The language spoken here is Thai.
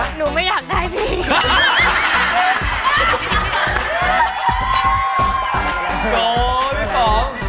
ดูอย่างเดียวค่ะ